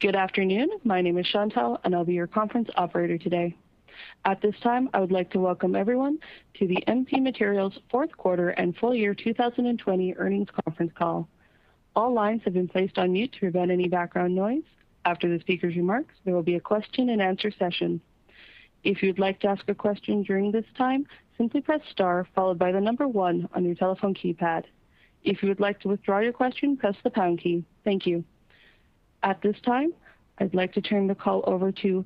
Good afternoon. My name is Chantelle, and I'll be your conference operator today. At this time, I would like to welcome everyone to the MP Materials fourth quarter and full year 2020 earnings conference call. All lines have been placed on mute to prevent any background noise. After the speaker's remarks, there will be a question and answer session. If you would like to ask a question during this time, simply press star followed by the number one on your telephone keypad. If you would like to withdraw your question, press the pound key. Thank you. At this time, I'd like to turn the call over to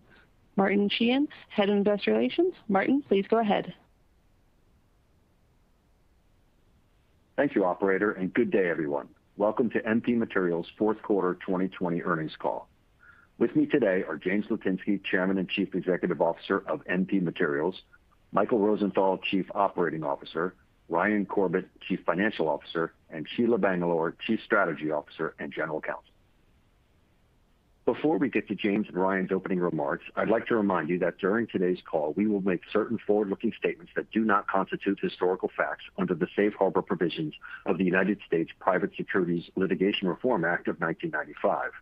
Martin Sheehan, Head of Investor Relations. Martin, please go ahead. Thank you, operator, and good day, everyone. Welcome to MP Materials' fourth quarter 2020 earnings call. With me today are James Litinsky, chairman and chief executive officer of MP Materials, Michael Rosenthal, chief operating officer, Ryan Corbett, chief financial officer, and Sheila Bangalore, chief strategy officer and general counsel. Before we get to James and Ryan's opening remarks, I'd like to remind you that during today's call, we will make certain forward-looking statements that do not constitute historical facts under the safe harbor provisions of the United States Private Securities Litigation Reform Act of 1995.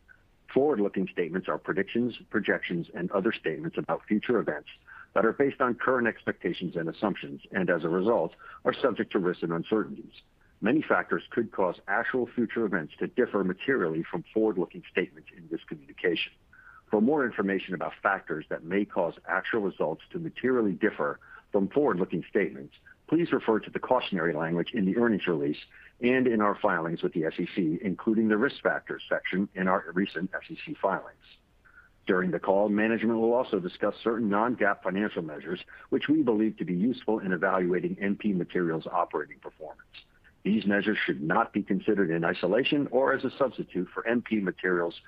Forward-looking statements are predictions, projections, and other statements about future events that are based on current expectations and assumptions, and as a result, are subject to risks and uncertainties. Many factors could cause actual future events to differ materially from forward-looking statements in this communication. For more information about factors that may cause actual results to materially differ from forward-looking statements, please refer to the cautionary language in the earnings release and in our filings with the SEC, including the Risk Factors section in our recent SEC filings. During the call, management will also discuss certain non-GAAP financial measures which we believe to be useful in evaluating MP Materials' operating performance. These measures should not be considered in isolation or as a substitute for MP Materials'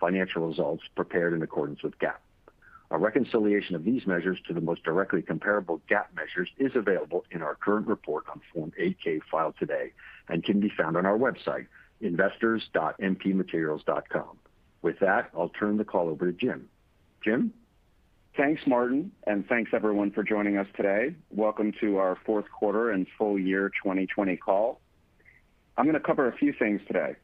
financial results prepared in accordance with GAAP. A reconciliation of these measures to the most directly comparable GAAP measures is available in our current report on Form 8-K filed today and can be found on our website, investors.mpmaterials.com. With that, I'll turn the call over to Jim. Jim? Thanks, Martin, and thanks everyone for joining us today. Welcome to our fourth quarter and full year 2020 call. I'm going to cover a few things today.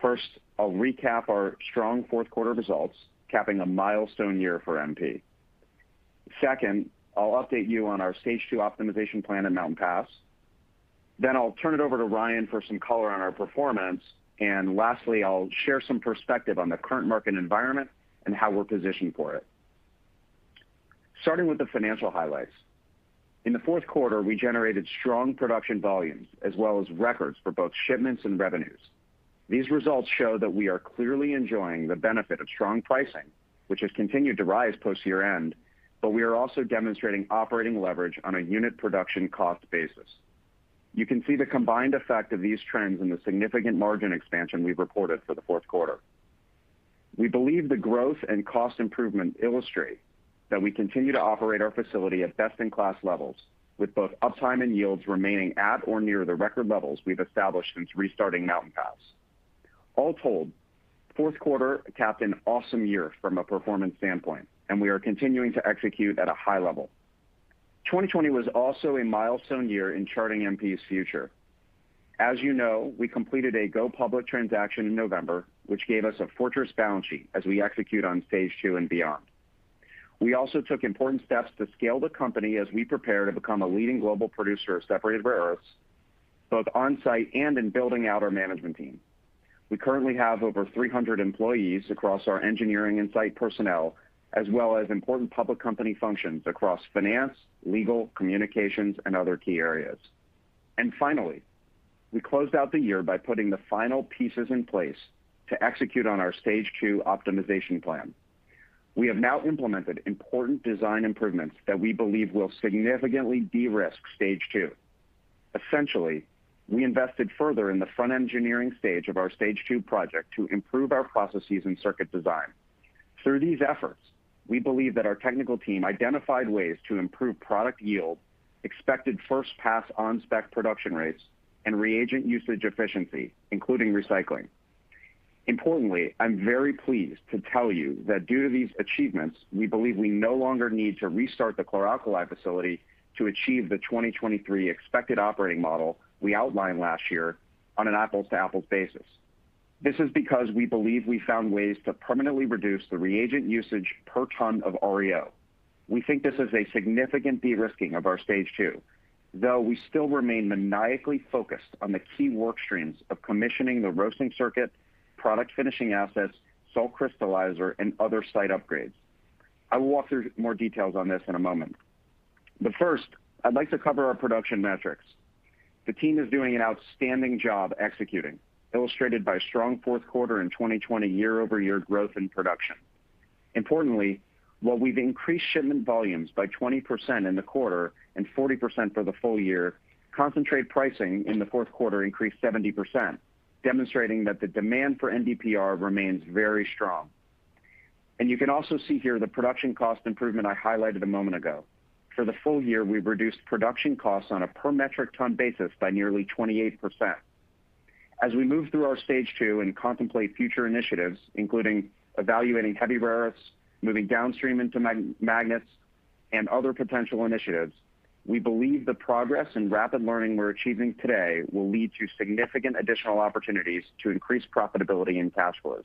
First, I'll recap our strong fourth quarter results, capping a milestone year for MP. Second, I'll update you on our Stage II optimization plan at Mountain Pass. I'll turn it over to Ryan for some color on our performance. Lastly, I'll share some perspective on the current market environment and how we're positioned for it. Starting with the financial highlights. In the fourth quarter, we generated strong production volumes as well as records for both shipments and revenues. These results show that we are clearly enjoying the benefit of strong pricing, which has continued to rise post-year-end, but we are also demonstrating operating leverage on a unit production cost basis. You can see the combined effect of these trends in the significant margin expansion we've reported for the fourth quarter. We believe the growth and cost improvement illustrate that we continue to operate our facility at best-in-class levels with both uptime and yields remaining at or near the record levels we've established since restarting Mountain Pass. All told, fourth quarter capped an awesome year from a performance standpoint, and we are continuing to execute at a high level. 2020 was also a milestone year in charting MP's future. As you know, we completed a go-public transaction in November, which gave us a fortress balance sheet as we execute on Stage II and beyond. We also took important steps to scale the company as we prepare to become a leading global producer of separated rare earths, both on-site and in building out our management team. We currently have over 300 employees across our engineering and site personnel, as well as important public company functions across finance, legal, communications, and other key areas. Finally, we closed out the year by putting the final pieces in place to execute on our Stage II optimization plan. We have now implemented important design improvements that we believe will significantly de-risk Stage II. Essentially, we invested further in the front engineering stage of our Stage II project to improve our processes and circuit design. Through these efforts, we believe that our technical team identified ways to improve product yield, expected first pass on-spec production rates, and reagent usage efficiency, including recycling. Importantly, I'm very pleased to tell you that due to these achievements, we believe we no longer need to restart the chloralkali facility to achieve the 2023 expected operating model we outlined last year on an apples-to-apples basis. This is because we believe we found ways to permanently reduce the reagent usage per ton of REO. We think this is a significant de-risking of our Stage II, though we still remain maniacally focused on the key work streams of commissioning the roasting circuit, product finishing assets, salt crystallizer, and other site upgrades. I will walk through more details on this in a moment. First, I'd like to cover our production metrics. The team is doing an outstanding job executing, illustrated by strong fourth quarter and 2020 year-over-year growth in production. Importantly, while we've increased shipment volumes by 20% in the quarter and 40% for the full year, concentrate pricing in the fourth quarter increased 70%, demonstrating that the demand for NdPr remains very strong. You can also see here the production cost improvement I highlighted a moment ago. For the full year, we've reduced production costs on a per metric ton basis by nearly 28%. As we move through our Stage II and contemplate future initiatives, including evaluating heavy rare earths, moving downstream into magnets and other potential initiatives, we believe the progress and rapid learning we're achieving today will lead to significant additional opportunities to increase profitability and cash flows.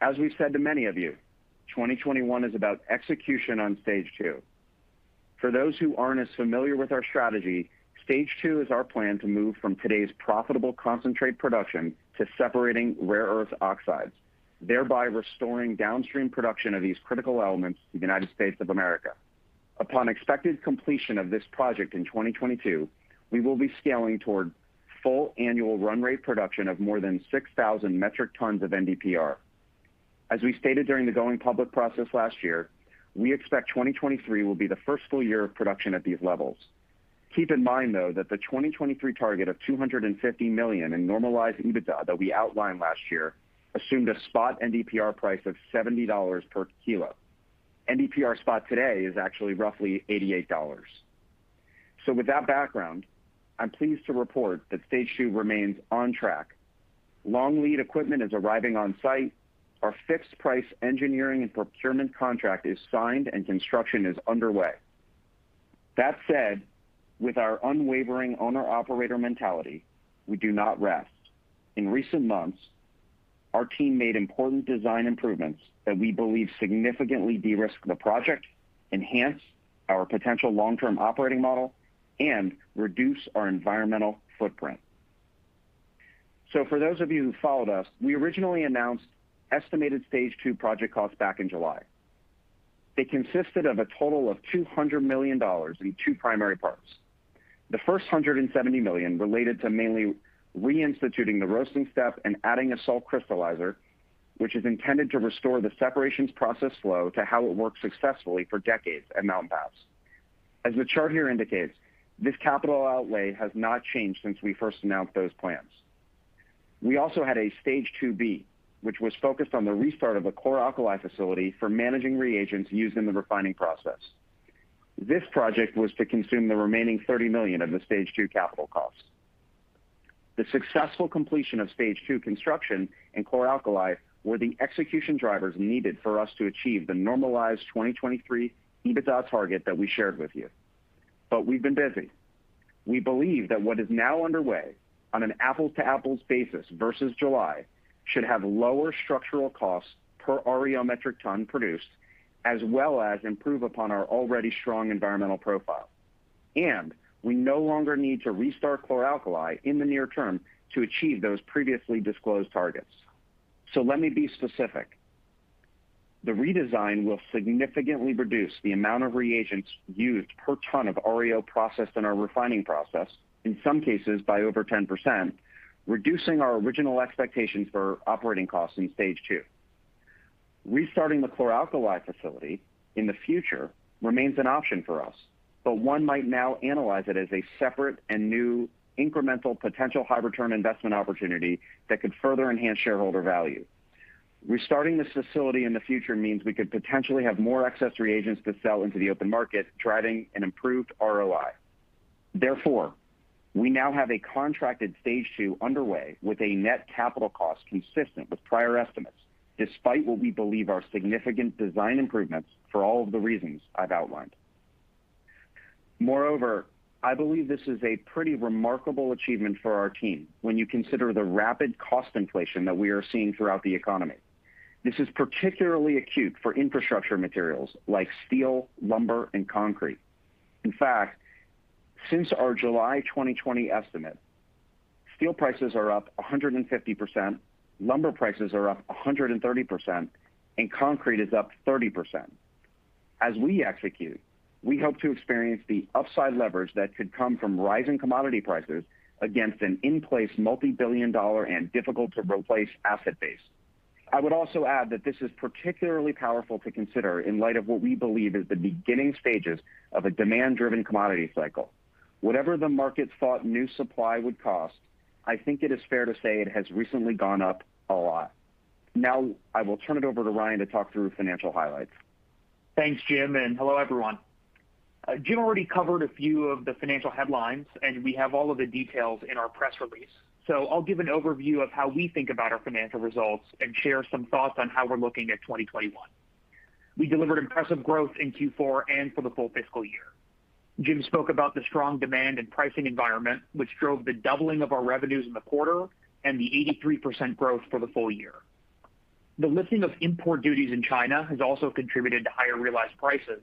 As we've said to many of you, 2021 is about execution on Stage II. For those who aren't as familiar with our strategy, Stage II is our plan to move from today's profitable concentrate production to separating rare earth oxides, thereby restoring downstream production of these critical elements to the United States of America. Upon expected completion of this project in 2022, we will be scaling toward full annual run rate production of more than 6,000 metric tons of NdPr. As we stated during the going public process last year, we expect 2023 will be the first full year of production at these levels. Keep in mind, though, that the 2023 target of $250 million in normalized EBITDA that we outlined last year assumed a spot NdPr price of $70 per kilo. NdPr spot today is actually roughly $88. With that background, I'm pleased to report that Stage II remains on track. Long lead equipment is arriving on site. Our fixed price engineering and procurement contract is signed and construction is underway. That said, with our unwavering owner/operator mentality, we do not rest. In recent months, our team made important design improvements that we believe significantly de-risk the project, enhance our potential long-term operating model, and reduce our environmental footprint. For those of you who followed us, we originally announced estimated Stage II project costs back in July. They consisted of a total of $200 million in two primary parts. The first $170 million related to mainly reinstituting the roasting step and adding a salt crystallizer, which is intended to restore the separations process flow to how it worked successfully for decades at Mountain Pass. As the chart here indicates, this capital outlay has not changed since we first announced those plans. We also had a Stage IIB, which was focused on the restart of the chloralkali facility for managing reagents used in the refining process. This project was to consume the remaining $30 million of the Stage II capital costs. The successful completion of Stage II construction and chloralkali were the execution drivers needed for us to achieve the normalized 2023 EBITDA target that we shared with you. We've been busy. We believe that what is now underway on an apples-to-apples basis versus July should have lower structural costs per REO metric ton produced, as well as improve upon our already strong environmental profile. We no longer need to restart chloralkali in the near term to achieve those previously disclosed targets. Let me be specific. The redesign will significantly reduce the amount of reagents used per ton of REO processed in our refining process, in some cases by over 10%, reducing our original expectations for operating costs in Stage II. Restarting the chloralkali facility in the future remains an option for us, but one might now analyze it as a separate and new incremental potential high return investment opportunity that could further enhance shareholder value. Restarting this facility in the future means we could potentially have more excess reagents to sell into the open market, driving an improved ROI. Therefore, we now have a contracted Stage II underway with a net capital cost consistent with prior estimates, despite what we believe are significant design improvements for all of the reasons I've outlined. Moreover, I believe this is a pretty remarkable achievement for our team when you consider the rapid cost inflation that we are seeing throughout the economy. This is particularly acute for infrastructure materials like steel, lumber, and concrete. In fact, since our July 2020 estimate, steel prices are up 150%, lumber prices are up 130%, and concrete is up 30%. As we execute, we hope to experience the upside leverage that could come from rising commodity prices against an in-place multi-billion dollar and difficult to replace asset base. I would also add that this is particularly powerful to consider in light of what we believe is the beginning stages of a demand-driven commodity cycle. Whatever the markets thought new supply would cost, I think it is fair to say it has recently gone up a lot. Now, I will turn it over to Ryan to talk through financial highlights. Thanks, Jim, and hello, everyone. Jim already covered a few of the financial headlines, and we have all of the details in our press release. I'll give an overview of how we think about our financial results and share some thoughts on how we're looking at 2021. We delivered impressive growth in Q4 and for the full fiscal year. Jim spoke about the strong demand and pricing environment, which drove the doubling of our revenues in the quarter and the 83% growth for the full year. The lifting of import duties in China has also contributed to higher realized prices.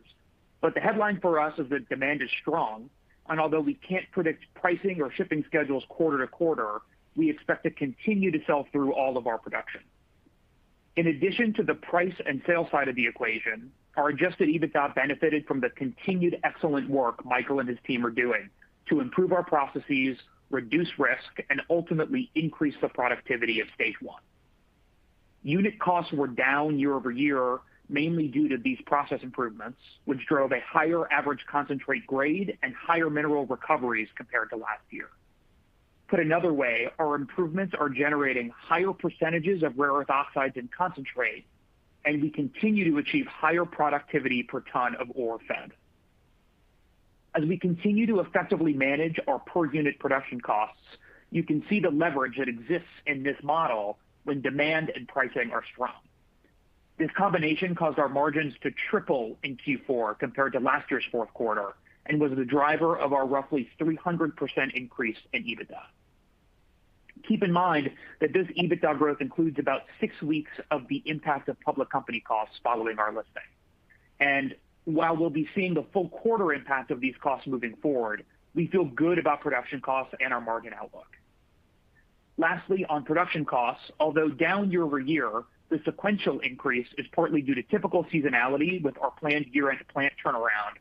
The headline for us is that demand is strong, and although we can't predict pricing or shipping schedules quarter to quarter, we expect to continue to sell through all of our production. In addition to the price and sales side of the equation, our adjusted EBITDA benefited from the continued excellent work Michael and his team are doing to improve our processes, reduce risk, and ultimately increase the productivity of Stage I. Unit costs were down year-over-year, mainly due to these process improvements, which drove a higher average concentrate grade and higher mineral recoveries compared to last year. Put another way, our improvements are generating higher percentages of rare earth oxides and concentrate, and we continue to achieve higher productivity per ton of ore fed. As we continue to effectively manage our per unit production costs, you can see the leverage that exists in this model when demand and pricing are strong. This combination caused our margins to triple in Q4 compared to last year's fourth quarter and was the driver of our roughly 300% increase in EBITDA. Keep in mind that this EBITDA growth includes about six weeks of the impact of public company costs following our listing. While we'll be seeing the full quarter impact of these costs moving forward, we feel good about production costs and our margin outlook. Lastly, on production costs, although down year-over-year, the sequential increase is partly due to typical seasonality with our planned year-end plant turnaround.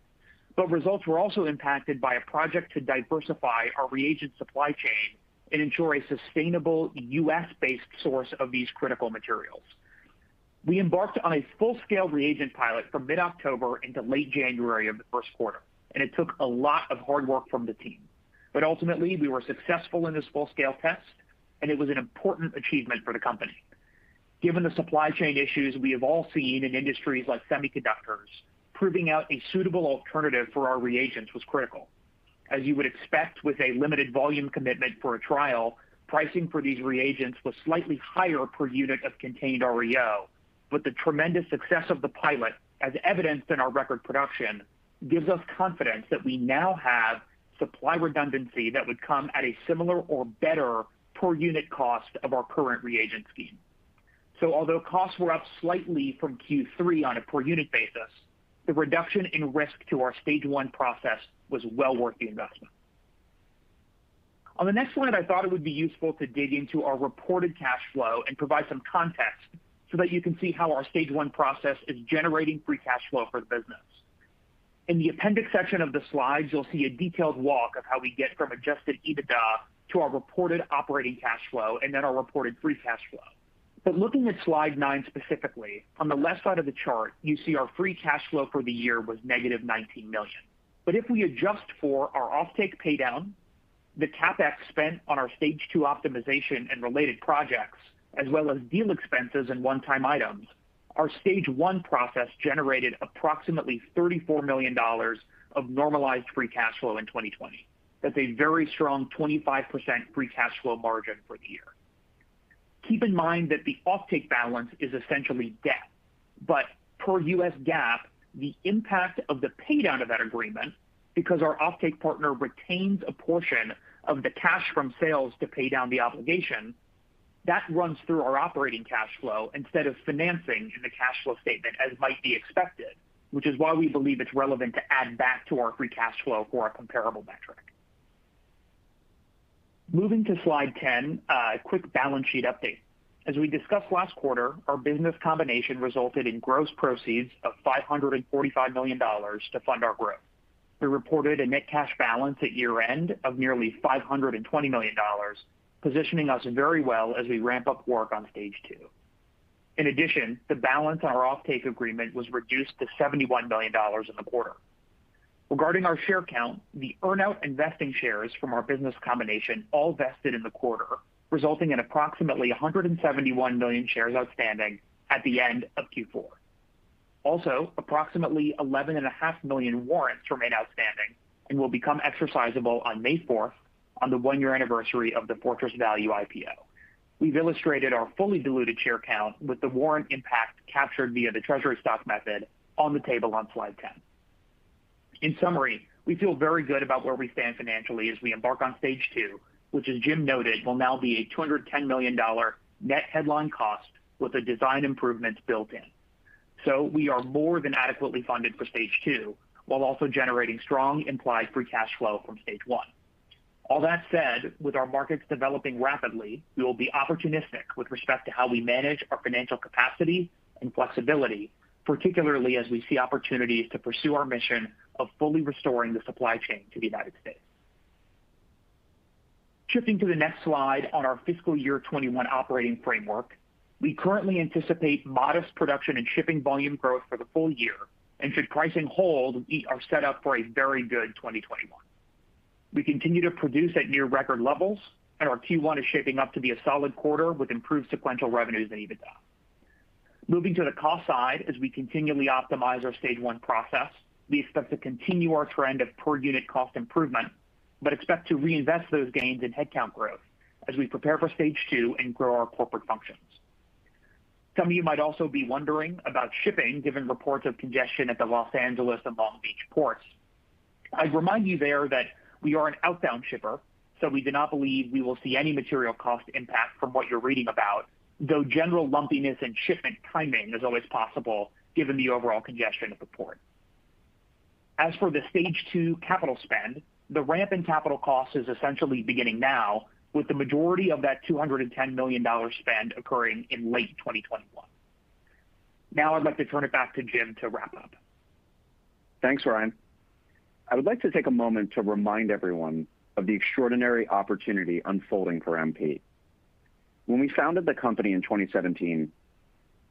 Results were also impacted by a project to diversify our reagent supply chain and ensure a sustainable U.S.-based source of these critical materials. We embarked on a full-scale reagent pilot from mid-October into late January of the first quarter, and it took a lot of hard work from the team. Ultimately, we were successful in this full-scale test, and it was an important achievement for the company. Given the supply chain issues we have all seen in industries like semiconductors, proving out a suitable alternative for our reagents was critical. As you would expect with a limited volume commitment for a trial, pricing for these reagents was slightly higher per unit of contained REO. The tremendous success of the pilot, as evidenced in our record production, gives us confidence that we now have supply redundancy that would come at a similar or better per unit cost of our current reagent scheme. Although costs were up slightly from Q3 on a per unit basis, the reduction in risk to our Stage I process was well worth the investment. On the next slide, I thought it would be useful to dig into our reported cash flow and provide some context so that you can see how our Stage I process is generating free cash flow for the business. In the appendix section of the slides, you'll see a detailed walk of how we get from adjusted EBITDA to our reported operating cash flow and then our reported free cash flow. Looking at slide nine specifically, on the left side of the chart, you see our free cash flow for the year was -$19 million. If we adjust for our offtake paydown, the CapEx spent on our Stage II optimization and related projects, as well as deal expenses and one-time items, our Stage I process generated approximately $34 million of normalized free cash flow in 2020. That's a very strong 25% free cash flow margin for the year. Keep in mind that the offtake balance is essentially debt. Per US GAAP, the impact of the paydown of that agreement, because our offtake partner retains a portion of the cash from sales to pay down the obligation, that runs through our operating cash flow instead of financing in the cash flow statement as might be expected, which is why we believe it's relevant to add back to our free cash flow for our comparable metric. Moving to slide 10, a quick balance sheet update. As we discussed last quarter, our business combination resulted in gross proceeds of $545 million to fund our growth. We reported a net cash balance at year-end of nearly $520 million, positioning us very well as we ramp up work on Stage II. The balance on our offtake agreement was reduced to $71 million in the quarter. Regarding our share count, the earn-out vesting shares from our business combination all vested in the quarter, resulting in approximately 171 million shares outstanding at the end of Q4. Approximately 11.5 million warrants remain outstanding and will become exercisable on May 4th, on the one-year anniversary of the Fortress Value IPO. We've illustrated our fully diluted share count with the warrant impact captured via the treasury stock method on the table on slide 10. We feel very good about where we stand financially as we embark on Stage II, which as Jim noted, will now be a $210 million net headline cost with the design improvements built in. We are more than adequately funded for Stage II, while also generating strong implied free cash flow from Stage I. All that said, with our markets developing rapidly, we will be opportunistic with respect to how we manage our financial capacity and flexibility, particularly as we see opportunities to pursue our mission of fully restoring the supply chain to the United States. Shifting to the next slide on our fiscal year 2021 operating framework. We currently anticipate modest production and shipping volume growth for the full year, and should pricing hold, we are set up for a very good 2021. We continue to produce at near record levels, and our Q1 is shaping up to be a solid quarter with improved sequential revenues and EBITDA. Moving to the cost side, as we continually optimize our Stage I process, we expect to continue our trend of per unit cost improvement, but expect to reinvest those gains in headcount growth as we prepare for Stage II and grow our corporate functions. Some of you might also be wondering about shipping, given reports of congestion at the Los Angeles and Long Beach ports. I'd remind you there that we are an outbound shipper, so we do not believe we will see any material cost impact from what you're reading about, though general lumpiness in shipment timing is always possible given the overall congestion at the port. As for the Stage II capital spend, the ramp in capital cost is essentially beginning now, with the majority of that $210 million spend occurring in late 2021. Now I'd like to turn it back to Jim to wrap up. Thanks, Ryan. I would like to take a moment to remind everyone of the extraordinary opportunity unfolding for MP. When we founded the company in 2017,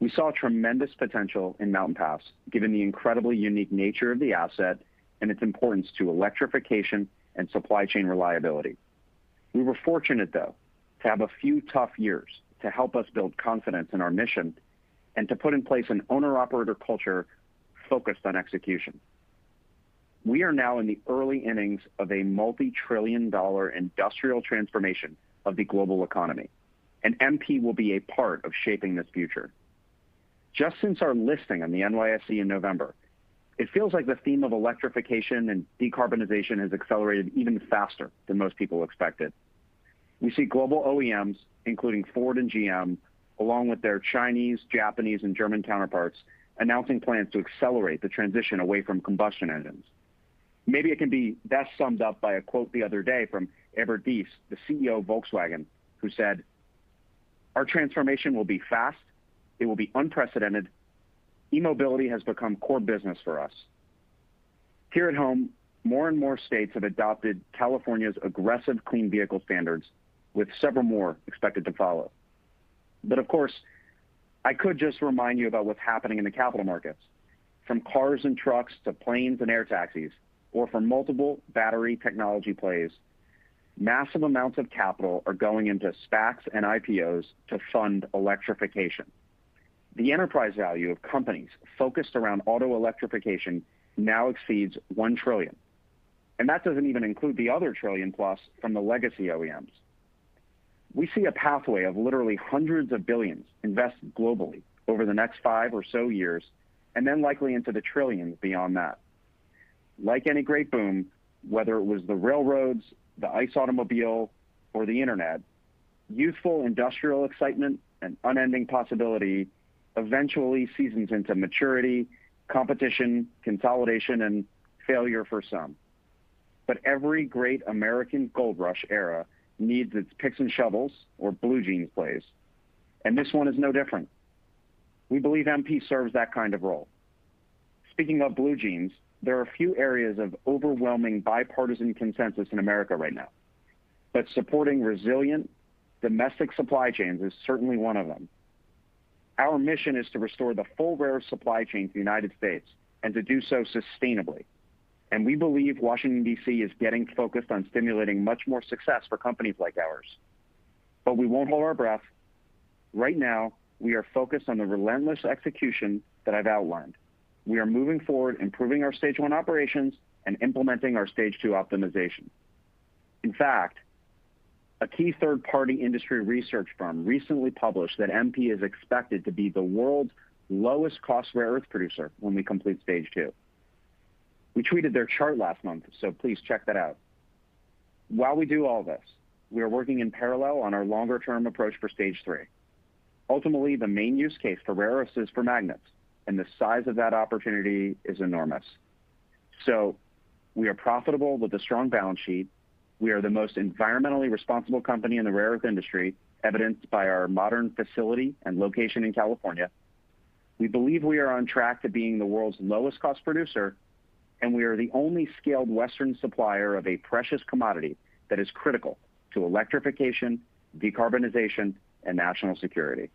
we saw tremendous potential in Mountain Pass given the incredibly unique nature of the asset and its importance to electrification and supply chain reliability. We were fortunate, though, to have a few tough years to help us build confidence in our mission and to put in place an owner-operator culture focused on execution. We are now in the early innings of a multi-trillion dollar industrial transformation of the global economy. MP will be a part of shaping this future. Just since our listing on the NYSE in November, it feels like the theme of electrification and decarbonization has accelerated even faster than most people expected. We see global OEMs, including Ford and GM, along with their Chinese, Japanese, and German counterparts, announcing plans to accelerate the transition away from combustion engines. Maybe it can be best summed up by a quote the other day from Herbert Diess, the CEO of Volkswagen, who said, "Our transformation will be fast. It will be unprecedented. E-mobility has become core business for us." Here at home, more and more states have adopted California's aggressive clean vehicle standards, with several more expected to follow. Of course, I could just remind you about what's happening in the capital markets. From cars and trucks to planes and air taxis, or from multiple battery technology plays, massive amounts of capital are going into SPACs and IPOs to fund electrification. The enterprise value of companies focused around auto electrification now exceeds $1 trillion. That doesn't even include the other trillion plus from the legacy OEMs. We see a pathway of literally hundreds of billions invested globally over the next five or so years, then likely into the trillions beyond that. Like any great boom, whether it was the railroads, the ICE automobile, or the internet, youthful industrial excitement and unending possibility eventually seasons into maturity, competition, consolidation, and failure for some. Every great American Gold Rush era needs its picks and shovels or blue jeans plays. This one is no different. We believe MP serves that kind of role. Speaking of blue jeans, there are few areas of overwhelming bipartisan consensus in America right now. Supporting resilient domestic supply chains is certainly one of them. Our mission is to restore the full rare earth supply chain to the U.S. and to do so sustainably. We believe Washington, D.C., is getting focused on stimulating much more success for companies like ours. We won't hold our breath. Right now, we are focused on the relentless execution that I've outlined. We are moving forward, improving our Stage I operations and implementing our Stage II optimization. In fact, a key third-party industry research firm recently published that MP is expected to be the world's lowest cost rare earth producer when we complete Stage II. We tweeted their chart last month. Please check that out. While we do all this, we are working in parallel on our longer-term approach for Stage III. Ultimately, the main use case for rare earths is for magnets. The size of that opportunity is enormous. We are profitable with a strong balance sheet. We are the most environmentally responsible company in the rare earth industry, evidenced by our modern facility and location in California. We believe we are on track to being the world's lowest cost producer, and we are the only scaled Western supplier of a precious commodity that is critical to electrification, decarbonization, and national security.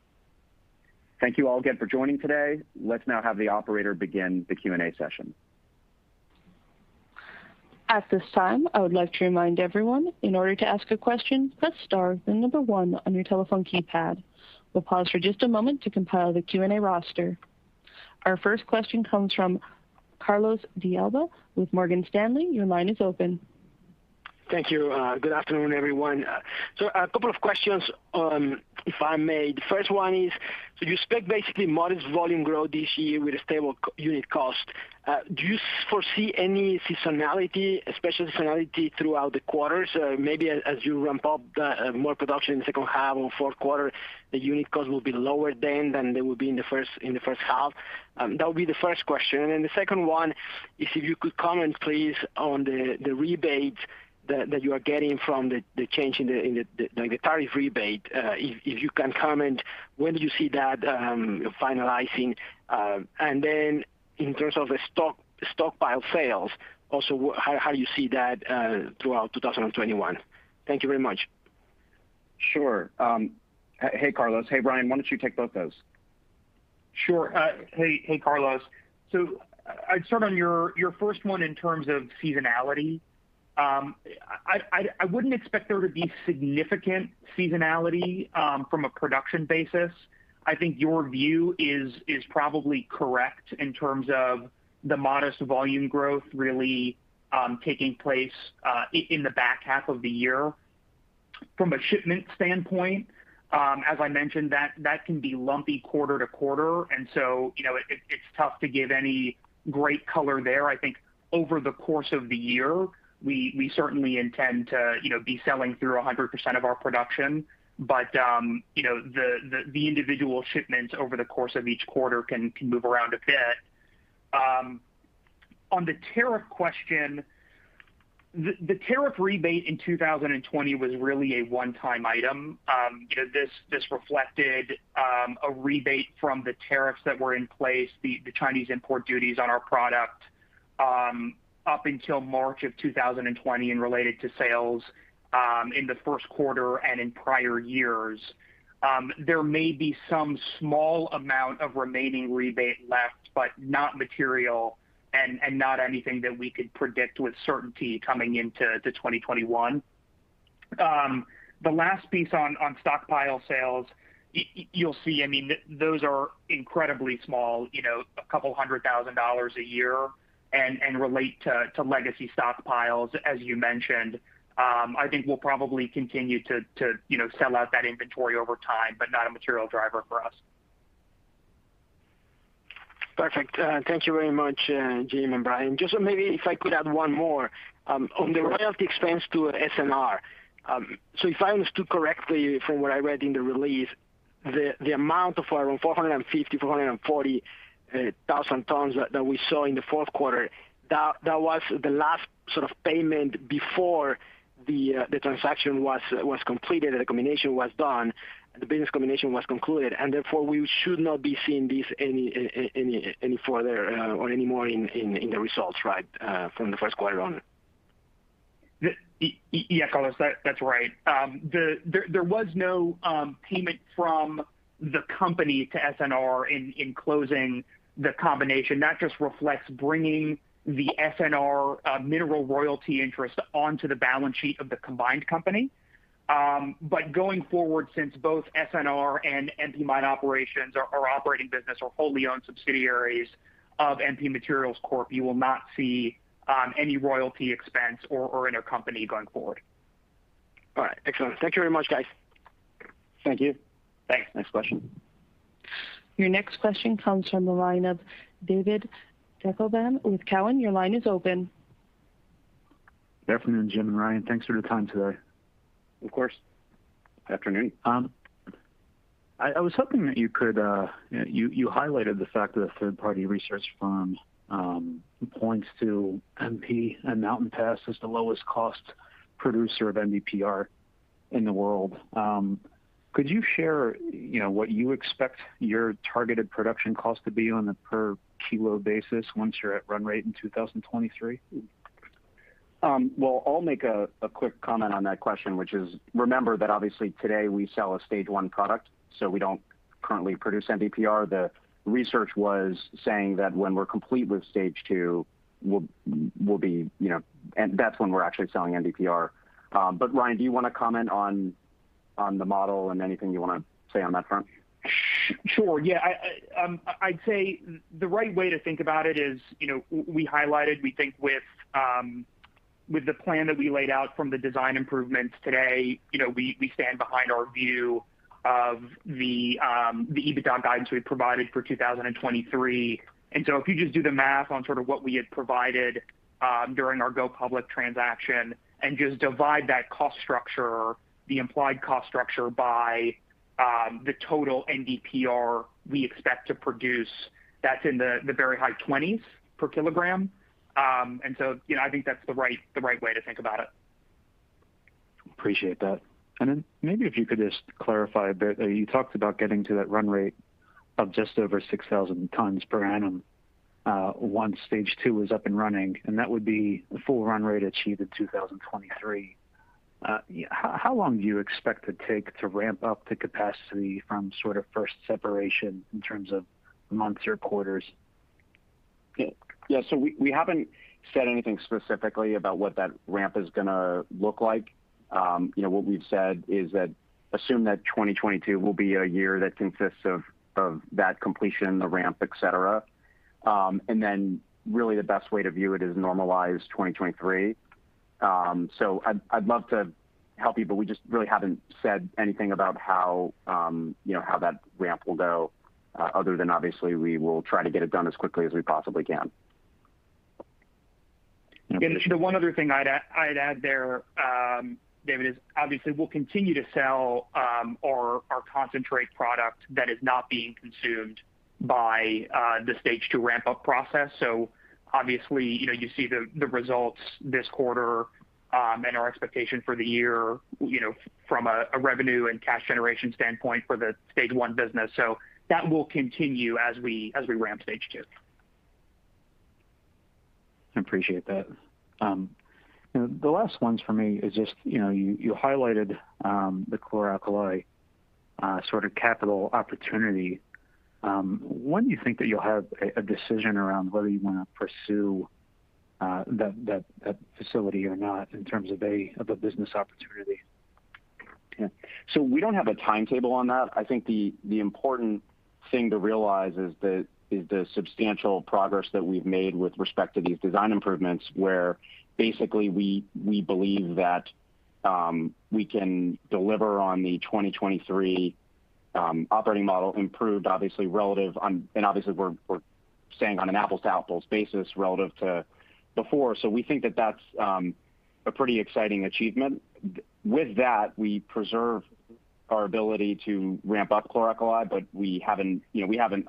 Thank you all again for joining today. Let's now have the operator begin the Q&A session. At this time, I would like to remind everyone, in order to ask a question, press star then the number one on your telephone keypad. We'll pause for just a moment to compile the Q&A roster. Our first question comes from Carlos de Alba with Morgan Stanley. Your line is open. Thank you. Good afternoon, everyone. A couple of questions, if I may. The first one is, you expect basically modest volume growth this year with a stable unit cost. Do you foresee any seasonality, especially seasonality throughout the quarters? Maybe as you ramp up more production in the second half or fourth quarter, the unit cost will be lower then than they will be in the first half? That would be the first question. The second one is if you could comment, please, on the rebates that you are getting from the change in the tariff rebate. If you can comment, when do you see that finalizing? In terms of the stockpile sales, also how you see that throughout 2021. Thank you very much. Sure. Hey, Carlos. Hey, Ryan, why don't you take both those? Sure. Hey, Carlos. I'd start on your first one in terms of seasonality. I wouldn't expect there to be significant seasonality from a production basis. I think your view is probably correct in terms of the modest volume growth really taking place in the back half of the year. From a shipment standpoint, as I mentioned, that can be lumpy quarter to quarter, and so it's tough to give any great color there. I think over the course of the year, we certainly intend to be selling through 100% of our production. The individual shipments over the course of each quarter can move around a bit. On the tariff question, the tariff rebate in 2020 was really a one-time item. This reflected a rebate from the tariffs that were in place, the Chinese import duties on our product up until March of 2020 and related to sales in the first quarter and in prior years. There may be some small amount of remaining rebate left, but not material and not anything that we could predict with certainty coming into 2021. The last piece on stockpile sales, you'll see those are incredibly small, a couple hundred thousand dollars a year, and relate to legacy stockpiles, as you mentioned. I think we'll probably continue to sell out that inventory over time, but not a material driver for us. Perfect. Thank you very much, Jim and Ryan. Maybe if I could add one more. On the royalty expense to SNR. If I understood correctly from what I read in the release, the amount of around 450,000, 440,000 tons that we saw in the fourth quarter, that was the last sort of payment before the transaction was completed and the combination was done, and the business combination was concluded, and therefore we should not be seeing this any further or any more in the results, right, from the first quarter on? Yeah, Carlos, that's right. There was no payment from the company to SNR in closing the combination. That just reflects bringing the SNR mineral royalty interest onto the balance sheet of the combined company. Going forward, since both SNR and MP Mine Operations are operating business or wholly owned subsidiaries of MP Materials Corp, you will not see any royalty expense or intercompany going forward. All right. Excellent. Thank you very much, guys. Thank you. Thanks. Next question. Your next question comes from the line of David Deckelbaum with Cowen. Your line is open. Good afternoon, Jim and Ryan. Thanks for the time today. Of course. Afternoon. I was hoping that you highlighted the fact that a third-party research firm points to MP and Mountain Pass as the lowest cost producer of NdPr in the world. Could you share what you expect your targeted production cost to be on a per kilo basis once you're at run rate in 2023? Well, I'll make a quick comment on that question, which is, remember that obviously today we sell a Stage I product. We don't currently produce NdPr. The research was saying that when we're complete with Stage II, that's when we're actually selling NdPr. Ryan, do you want to comment on the model and anything you want to say on that front? Sure. Yeah. I'd say the right way to think about it is, we highlighted, we think with the plan that we laid out from the design improvements today, we stand behind our view of the EBITDA guidance we provided for 2023. If you just do the math on sort of what we had provided during our go public transaction and just divide that cost structure, the implied cost structure by the total NdPr we expect to produce, that's in the very high $20s per kg. I think that's the right way to think about it. Appreciate that. Then maybe if you could just clarify a bit, you talked about getting to that run rate of just over 6,000 tons per annum once Stage II is up and running, and that would be the full run rate achieved in 2023. How long do you expect it take to ramp up the capacity from sort of first separation in terms of months or quarters? We haven't said anything specifically about what that ramp is going to look like. What we've said is that assume that 2022 will be a year that consists of that completion, the ramp, et cetera. Really the best way to view it is normalize 2023. I'd love to help you, but we just really haven't said anything about how that ramp will go, other than obviously we will try to get it done as quickly as we possibly can. The one other thing I'd add there, David, is obviously we'll continue to sell our concentrate product that is not being consumed by the Stage II ramp up process. Obviously, you see the results this quarter, and our expectation for the year, from a revenue and cash generation standpoint for the Stage I business. That will continue as we ramp Stage II. I appreciate that. The last ones for me is just, you highlighted the chloralkali sort of capital opportunity. When do you think that you'll have a decision around whether you want to pursue that facility or not in terms of a business opportunity? Yeah. We don't have a timetable on that. I think the important thing to realize is the substantial progress that we've made with respect to these design improvements, where basically we believe that we can deliver on the 2023 operating model improved obviously relative on, and obviously we're staying on an apples to apples basis relative to before. We think that that's a pretty exciting achievement. With that, we preserve our ability to ramp up chloralkali, but we haven't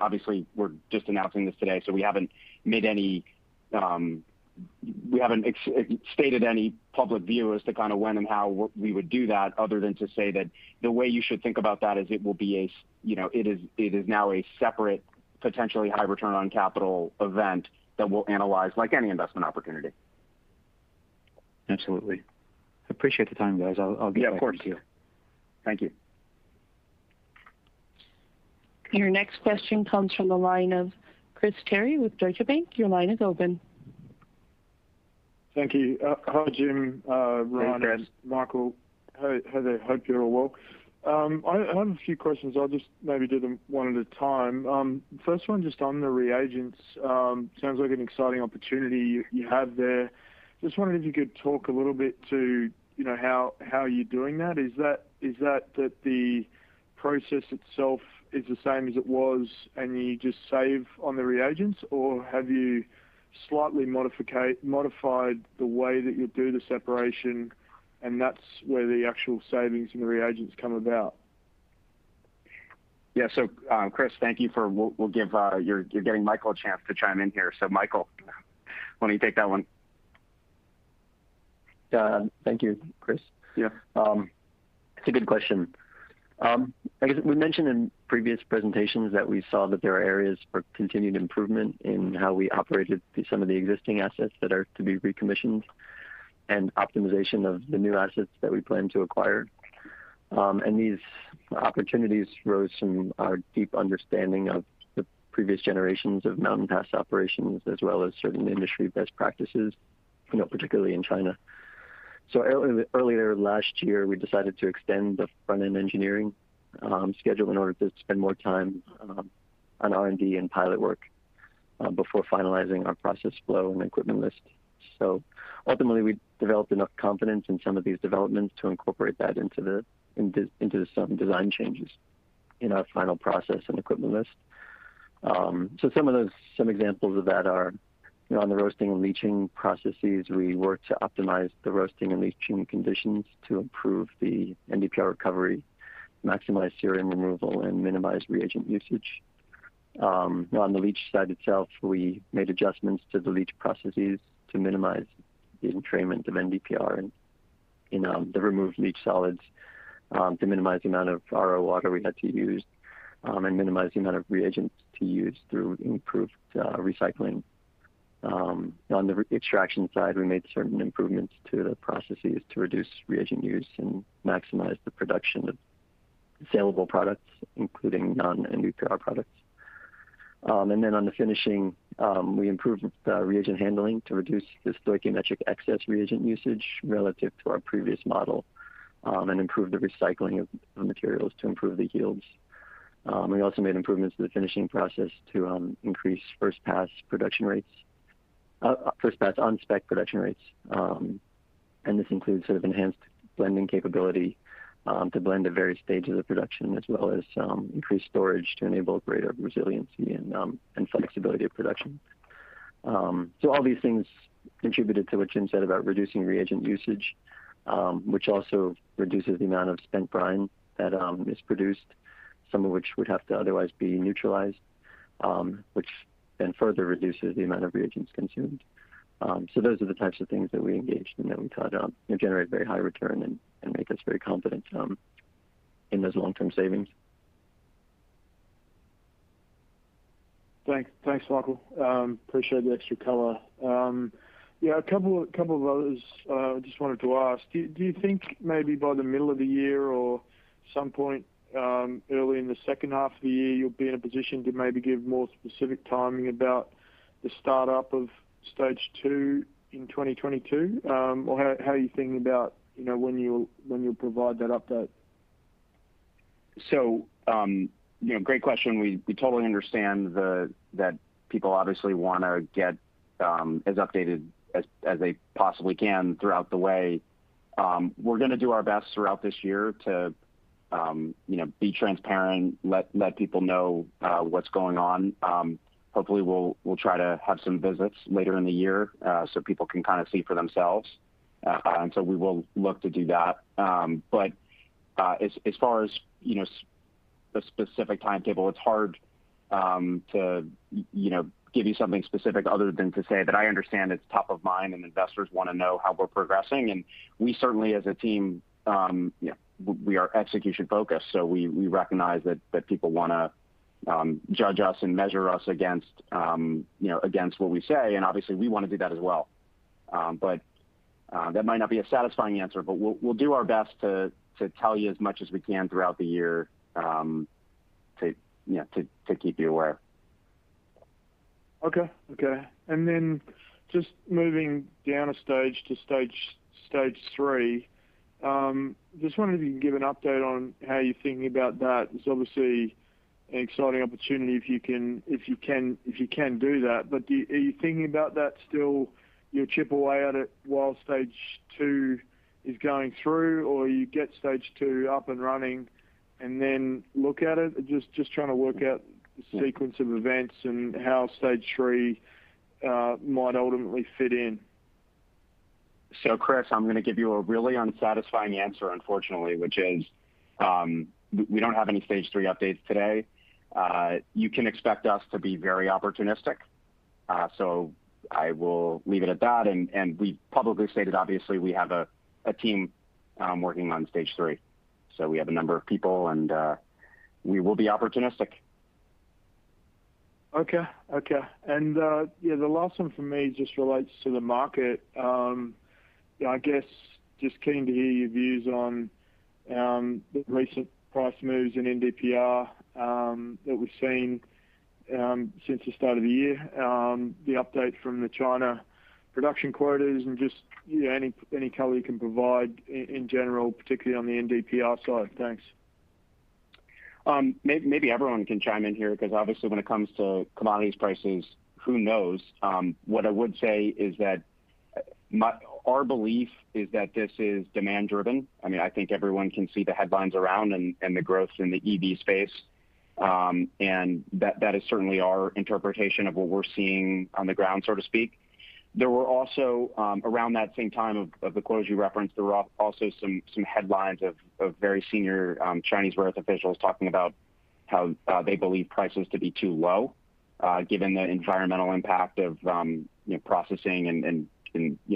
obviously, we're just announcing this today, so we haven't stated any public view as to when and how we would do that other than to say that the way you should think about that is it is now a separate, potentially high return on capital event that we'll analyze like any investment opportunity. Absolutely. Appreciate the time, guys. I'll get back to you. Yeah, of course. Thank you. Your next question comes from the line of Chris Terry with Deutsche Bank. Your line is open. Thank you. Hi, Jim Hi, Chris. Ryan, Michael. Hey there, hope you're all well. I have a few questions. I'll just maybe do them one at a time. First one, just on the reagents. Sounds like an exciting opportunity you have there. Just wondering if you could talk a little bit to how you're doing that. Is that the process itself is the same as it was, and you just save on the reagents? Or have you slightly modified the way that you do the separation, and that's where the actual savings in the reagents come about? Yeah. Chris, thank you. You're giving Michael a chance to chime in here. Michael, why don't you take that one? Thank you, Chris. Yeah. It's a good question. I guess we mentioned in previous presentations that we saw that there are areas for continued improvement in how we operated some of the existing assets that are to be recommissioned, and optimization of the new assets that we plan to acquire. These opportunities rose from our deep understanding of the previous generations of Mountain Pass operations, as well as certain industry best practices, particularly in China. Earlier last year, we decided to extend the front-end engineering schedule in order to spend more time on R&D and pilot work before finalizing our process flow and equipment list. Ultimately, we developed enough confidence in some of these developments to incorporate that into some design changes in our final process and equipment list. Some examples of that are on the roasting and leaching processes, we worked to optimize the roasting and leaching conditions to improve the NdPr recovery, maximize cerium removal, and minimize reagent usage. On the leach side itself, we made adjustments to the leach processes to minimize the entrainment of NdPr in the removed leach solids to minimize the amount of RO water we had to use, and minimize the amount of reagents to use through improved recycling. On the extraction side, we made certain improvements to the processes to reduce reagent use and maximize the production of saleable products, including non-NdPr products. On the finishing, we improved reagent handling to reduce the stoichiometric excess reagent usage relative to our previous model, and improved the recycling of materials to improve the yields. We also made improvements to the finishing process to increase first-pass on-spec production rates. This includes enhanced blending capability to blend at various stages of production, as well as increased storage to enable greater resiliency and flexibility of production. All these things contributed to what Jim said about reducing reagent usage, which also reduces the amount of spent brine that is produced, some of which would have to otherwise be neutralized, which further reduces the amount of reagents consumed. Those are the types of things that we engaged in that we thought generate very high return and make us very confident in those long-term savings. Thanks, Michael. Appreciate the extra color. A couple of others I just wanted to ask. Do you think maybe by the middle of the year or some point early in the second half of the year, you'll be in a position to maybe give more specific timing about the startup of Stage II in 2022? How are you thinking about when you'll provide that update? Great question. We totally understand that people obviously want to get as updated as they possibly can throughout the way. We're going to do our best throughout this year to be transparent, let people know what's going on. Hopefully, we'll try to have some visits later in the year, so people can see for themselves. We will look to do that. As far as the specific timetable, it's hard to give you something specific other than to say that I understand it's top of mind and investors want to know how we're progressing. We certainly, as a team, we are execution-focused. We recognize that people want to judge us and measure us against what we say. Obviously, we want to do that as well. That might not be a satisfying answer. We'll do our best to tell you as much as we can throughout the year to keep you aware. Okay. Just moving down a stage to Stage III, just wondering if you can give an update on how you're thinking about that. It's obviously an exciting opportunity if you can do that. Are you thinking about that still, you'll chip away at it while Stage II is going through, or you get Stage II up and running and then look at it? Just trying to work out the sequence of events and how Stage III might ultimately fit in. Chris, I'm going to give you a really unsatisfying answer, unfortunately, which is, we don't have any Stage III updates today. You can expect us to be very opportunistic. I will leave it at that, and we've publicly stated, obviously, we have a team working on Stage III. We have a number of people, and we will be opportunistic. Okay. The last one from me just relates to the market. I guess, just keen to hear your views on the recent price moves in NdPr that we've seen since the start of the year, the update from the China production quotas and just any color you can provide in general, particularly on the NdPr side. Thanks. Maybe everyone can chime in here because obviously when it comes to commodities prices, who knows? What I would say is that our belief is that this is demand-driven. I think everyone can see the headlines around and the growth in the EV space, and that is certainly our interpretation of what we're seeing on the ground, so to speak. There were also, around that same time of the close you referenced, there were also some headlines of very senior Chinese rare earth officials talking about how they believe prices to be too low, given the environmental impact of processing and,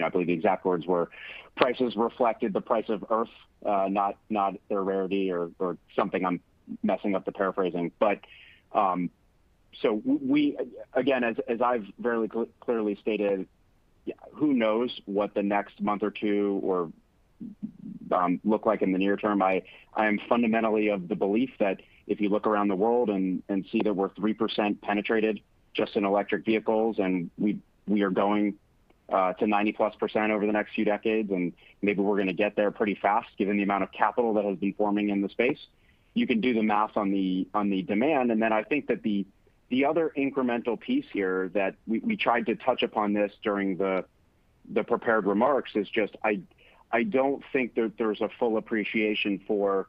I believe the exact words were, "Prices reflected the price of rare earth," not their rarity or something. I'm messing up the paraphrasing. We, again, as I've very clearly stated, who knows what the next month or two will look like in the near term. I am fundamentally of the belief that if you look around the world and see that we're 3% penetrated just in electric vehicles and we are going to 90+% over the next few decades, maybe we're going to get there pretty fast given the amount of capital that will be forming in the space. You can do the math on the demand. I think that the other incremental piece here that we tried to touch upon this during the prepared remarks is just, I don't think that there's a full appreciation for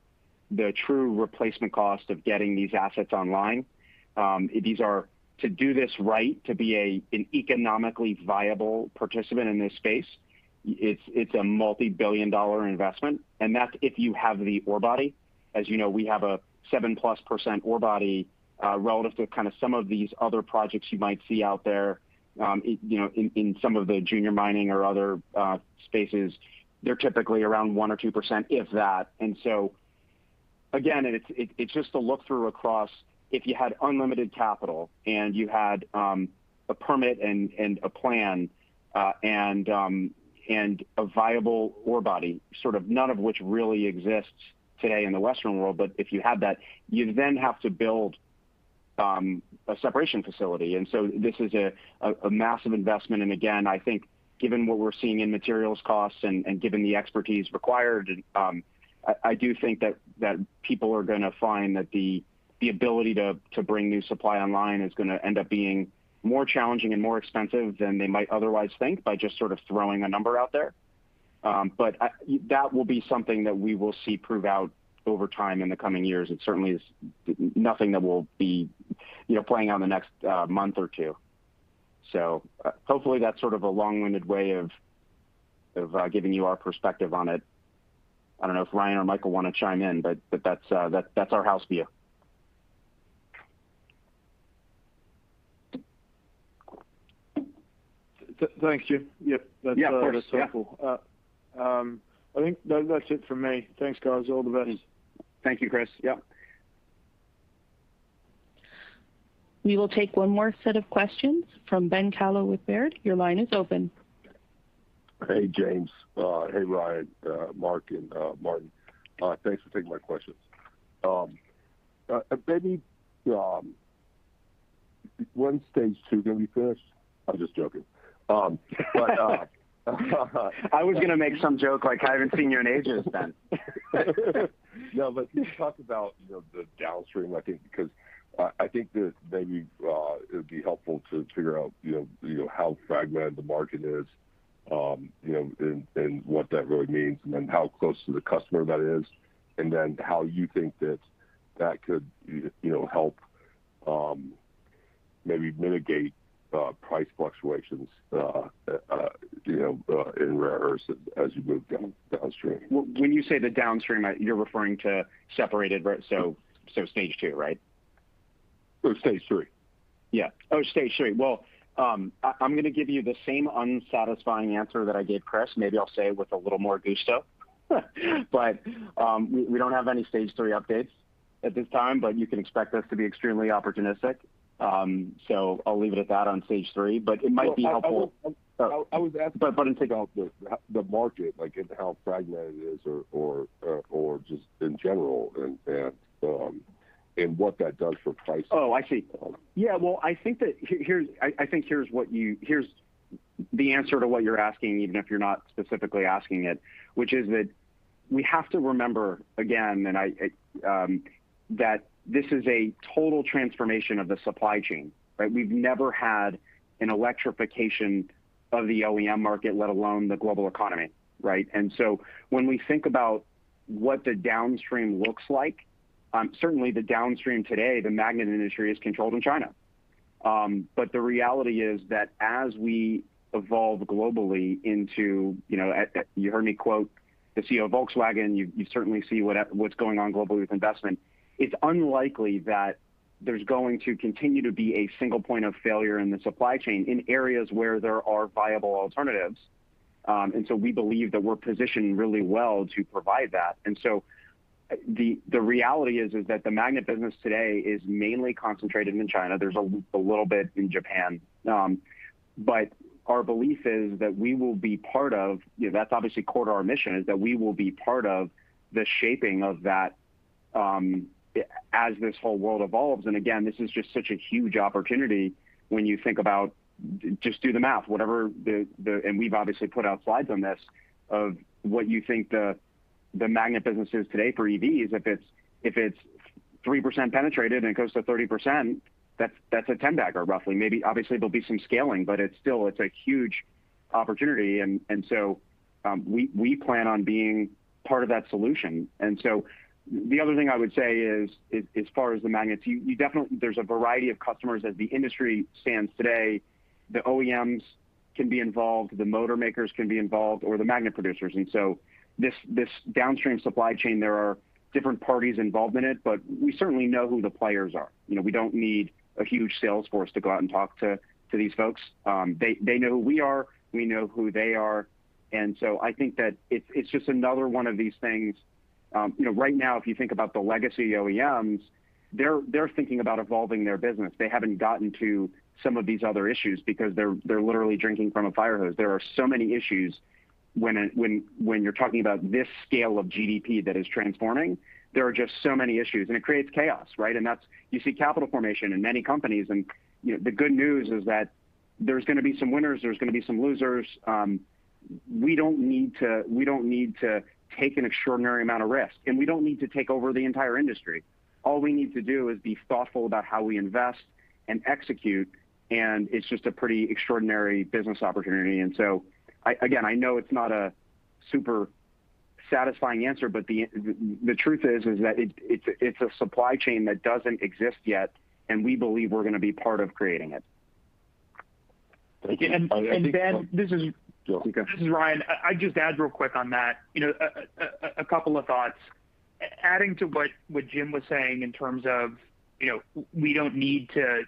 the true replacement cost of getting these assets online. To do this right, to be an economically viable participant in this space, it's a multi-billion dollar investment, and that's if you have the ore body. As you know, we have a 7+% ore body, relative to some of these other projects you might see out there in some of the junior mining or other spaces. They're typically around 1% or 2%, if that. Again, it's just a look through across, if you had unlimited capital and you had a permit and a plan, and a viable ore body, none of which really exists today in the Western world, but if you had that, you then have to build a separation facility. This is a massive investment, and again, I think given what we're seeing in materials costs and given the expertise required, I do think that people are going to find that the ability to bring new supply online is going to end up being more challenging and more expensive than they might otherwise think by just sort of throwing a number out there. That will be something that we will see prove out over time in the coming years. It certainly is nothing that will be playing out in the next month or two. Hopefully, that's sort of a long-winded way of giving you our perspective on it. I don't know if Ryan or Michael want to chime in, but that's our house view. Thank you. Yep. Yeah, of course. That's helpful. I think that's it from me. Thanks, guys. All the best. Thank you, Chris. Yep. We will take one more set of questions from Ben Kallo with Baird. Your line is open. Hey, James. Hey, Ryan, Mike, and Martin. Thanks for taking my questions. Maybe when's Stage II going to be finished? I'm just joking. I was going to make some joke like, "I haven't seen you in ages, Ben. No, can you talk about the downstream, I think, because I think that maybe it would be helpful to figure out how fragmented the market is, and what that really means, and then how close to the customer that is, and then how you think that that could help maybe mitigate price fluctuations in rare earths as you move downstream. When you say the downstream, you're referring to separated, so Stage II, right? Stage III. Yeah. Oh, Stage III. Well, I'm going to give you the same unsatisfying answer that I gave Chris. Maybe I'll say it with a little more gusto. We don't have any Stage III updates at this time, but you can expect us to be extremely opportunistic. I'll leave it at that on Stage III. Well, I was asking about the market, like how fragmented it is or just in general, and what that does for pricing. Oh, I see. Yeah. Well, I think here's the answer to what you're asking, even if you're not specifically asking it, which is that we have to remember, again, that this is a total transformation of the supply chain, right? We've never had an electrification of the OEM market, let alone the global economy, right? When we think about what the downstream looks like, certainly the downstream today, the magnet industry is controlled in China. The reality is that as we evolve globally into You heard me quote the CEO of Volkswagen. You certainly see what's going on globally with investment. It's unlikely that there's going to continue to be a single point of failure in the supply chain in areas where there are viable alternatives. We believe that we're positioned really well to provide that. The reality is that the magnet business today is mainly concentrated in China. There's a little bit in Japan. Our belief is that That's obviously core to our mission, is that we will be part of the shaping of that as this whole world evolves. Again, this is just such a huge opportunity when you think about, just do the math, and we've obviously put out slides on this, of what you think the magnet business is today for EVs. If it's 3% penetrated and it goes to 30%, that's a 10-bagger, roughly. Maybe obviously there'll be some scaling, still, it's a huge opportunity. We plan on being part of that solution. The other thing I would say is, as far as the magnets, there's a variety of customers as the industry stands today. The OEMs can be involved, the motor makers can be involved, or the magnet producers. This downstream supply chain, there are different parties involved in it, but we certainly know who the players are. We don't need a huge sales force to go out and talk to these folks. They know who we are, we know who they are. I think that it's just another one of these things. Right now if you think about the legacy OEMs, they're thinking about evolving their business. They haven't gotten to some of these other issues because they're literally drinking from a fire hose. There are so many issues when you're talking about this scale of GDP that is transforming. There are just so many issues, and it creates chaos, right? You see capital formation in many companies, and the good news is that there's going to be some winners, there's going to be some losers. We don't need to take an extraordinary amount of risk, and we don't need to take over the entire industry. All we need to do is be thoughtful about how we invest and execute, and it's just a pretty extraordinary business opportunity. Again, I know it's not a super satisfying answer, but the truth is that it's a supply chain that doesn't exist yet, and we believe we're going to be part of creating it. Thank you. Ben, this is- Go ahead. This is Ryan. I'd just add real quick on that, a couple of thoughts. Adding to what Jim was saying in terms of we don't need to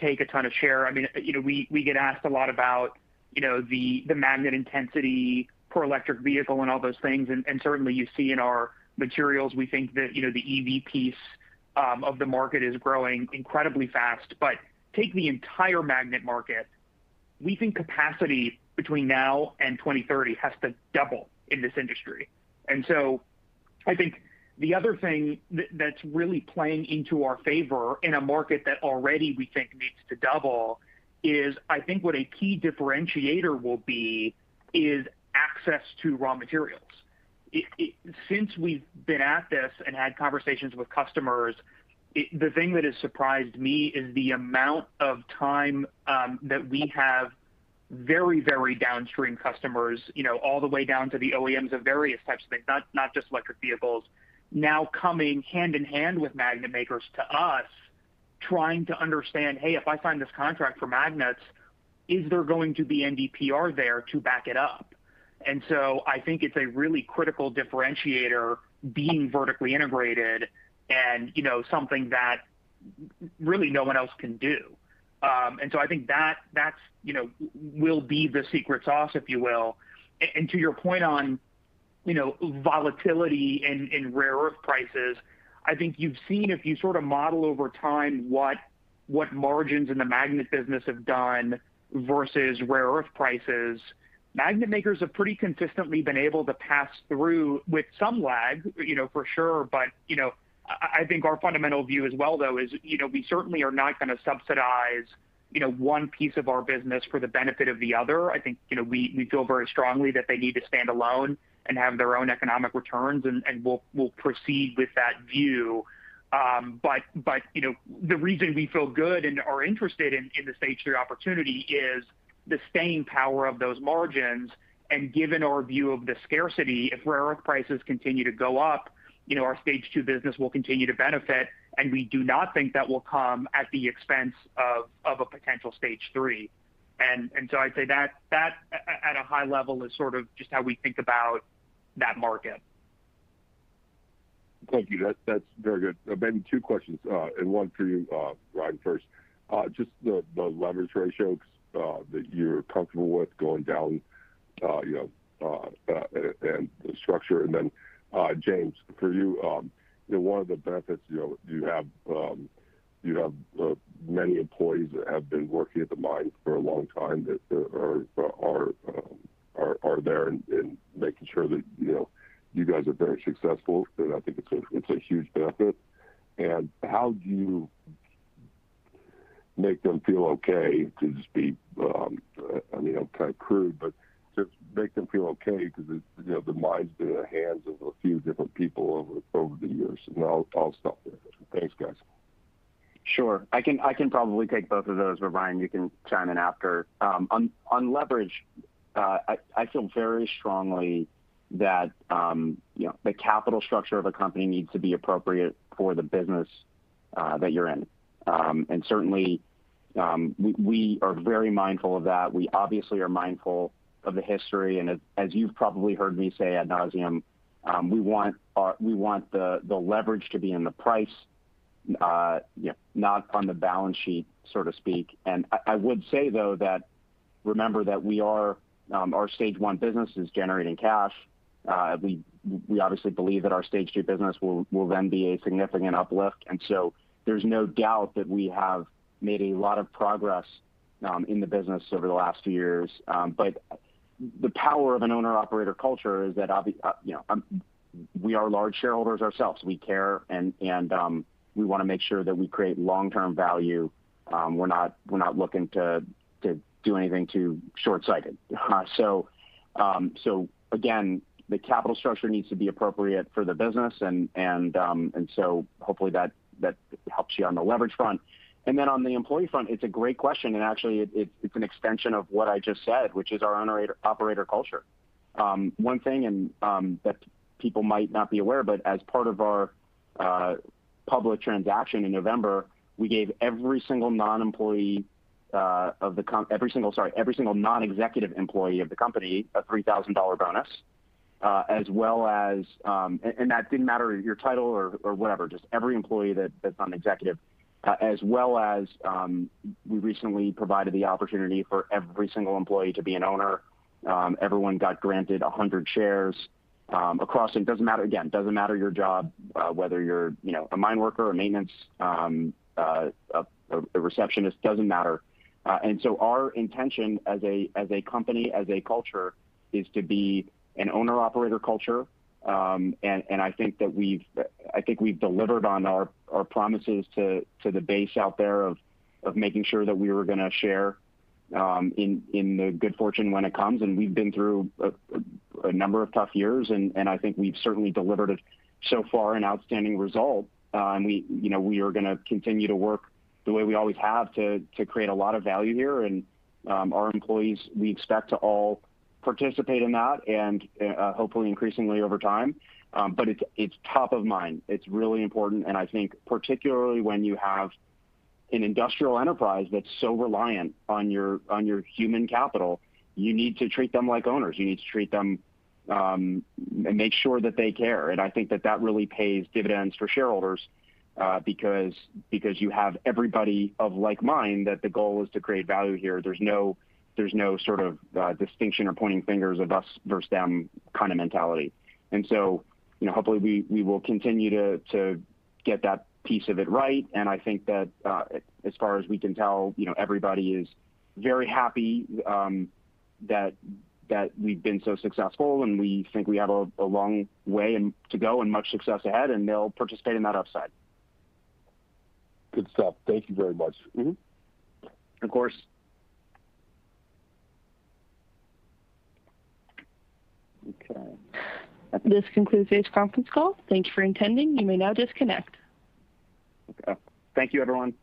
take a ton of share. We get asked a lot about the magnet intensity per electric vehicle and all those things, certainly you see in our materials, we think that the EV piece of the market is growing incredibly fast. Take the entire magnet market, we think capacity between now and 2030 has to double in this industry. I think the other thing that's really playing into our favor in a market that already we think needs to double is, I think what a key differentiator will be is access to raw materials. Since we've been at this and had conversations with customers, the thing that has surprised me is the amount of time that we have very, very downstream customers all the way down to the OEMs of various types of things, not just electric vehicles, now coming hand in hand with magnet makers to us, trying to understand, "Hey, if I sign this contract for magnets, is there going to be NdPr there to back it up?" I think it's a really critical differentiator being vertically integrated and something that really no one else can do. I think that will be the secret sauce, if you will. To your point on volatility in rare earth prices, I think you've seen if you sort of model over time what margins in the magnet business have done versus rare earth prices, magnet makers have pretty consistently been able to pass through with some lag, for sure. I think our fundamental view as well, though, is we certainly are not going to subsidize one piece of our business for the benefit of the other. I think we feel very strongly that they need to stand alone and have their own economic returns, and we'll proceed with that view. The reason we feel good and are interested in the Stage III opportunity is the staying power of those margins, and given our view of the scarcity, if rare earth prices continue to go up, our Stage II business will continue to benefit, and we do not think that will come at the expense of a potential Stage III. I'd say that at a high level is sort of just how we think about that market. Thank you. That's very good. Ben, two questions, and one for you, Ryan, first. Just the leverage ratio that you're comfortable with going down, and the structure. Then James, for you, one of the benefits, you have many employees that have been working at the mine for a long time that are there and making sure that you guys are very successful, and I think it's a huge benefit. How do you make them feel okay to just be, I mean, I'm kind of crude, but just make them feel okay because the mine's been in the hands of a few different people over the years? I'll stop there. Thanks, guys. Sure. I can probably take both of those, but Ryan, you can chime in after. On leverage, I feel very strongly that the capital structure of a company needs to be appropriate for the business that you're in. Certainly, we are very mindful of that. We obviously are mindful of the history, and as you've probably heard me say ad nauseam, we want the leverage to be in the price Not from the balance sheet, so to speak. I would say, though, that remember that our Stage I business is generating cash. We obviously believe that our Stage II business will then be a significant uplift. There's no doubt that we have made a lot of progress in the business over the last few years. The power of an owner-operator culture is that we are large shareholders ourselves. We care, and we want to make sure that we create long-term value. We're not looking to do anything too shortsighted. Again, the capital structure needs to be appropriate for the business, hopefully that helps you on the leverage front. On the employee front, it's a great question, and actually it's an extension of what I just said, which is our owner-operator culture. One thing, and that people might not be aware, but as part of our public transaction in November, we gave every single non-executive employee of the company a $3,000 bonus. That didn't matter your title or whatever, just every employee that's non-executive. As well as we recently provided the opportunity for every single employee to be an owner. Everyone got granted 100 shares across. Again, it doesn't matter your job, whether you're a mine worker, a maintenance, a receptionist, doesn't matter. Our intention as a company, as a culture, is to be an owner-operator culture. I think we've delivered on our promises to the base out there of making sure that we were going to share in the good fortune when it comes, and we've been through a number of tough years, and I think we've certainly delivered, so far, an outstanding result. We are going to continue to work the way we always have to create a lot of value here. Our employees, we expect to all participate in that and hopefully increasingly over time. It's top of mind. It's really important, and I think particularly when you have an industrial enterprise that's so reliant on your human capital, you need to treat them like owners. You need to treat them and make sure that they care. I think that that really pays dividends for shareholders because you have everybody of like mind that the goal is to create value here. There's no sort of distinction or pointing fingers, or us versus them kind of mentality. Hopefully we will continue to get that piece of it right. I think that as far as we can tell, everybody is very happy that we've been so successful, and we think we have a long way to go and much success ahead, and they'll participate in that upside. Good stuff. Thank you very much. Mm-hmm. Of course. Okay. This concludes today's conference call. Thank you for attending. You may now disconnect. Okay. Thank you, everyone.